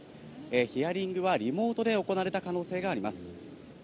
ヒアリングはリモートで行われた可能性があります。